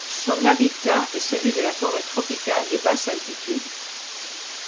Son habitat est celui de la forêt tropicale de basse altitude.